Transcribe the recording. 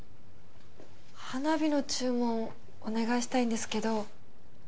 花火の注文お願いしたいんですけど。